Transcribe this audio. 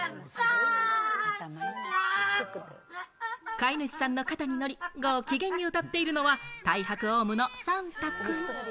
飼い主さんの肩に乗り、ご機嫌に歌っているのはタイハクオウムのさんたくん。